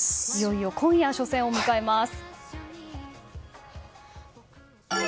いよいよ今夜、初戦を迎えます。